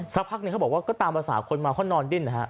สักพักหนึ่งเขาบอกว่าก็ตามภาษาคนมาเขานอนดิ้นนะฮะ